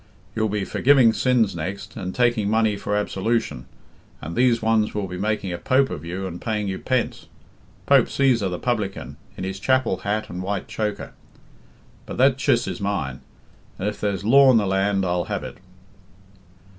You'll be forgiving sins next, and taking money for absolution, and these ones will be making a pope of you and paying you pence. Pope Cæsar, the publican, in his chapel hat and white choker! But that chiss is mine, and if there's law in the land I'll have it."